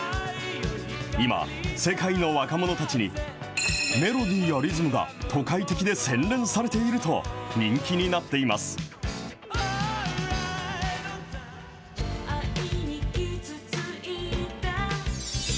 今、世界の若者たちに、メロディーやリズムが都会的で洗練されていると人気になっています。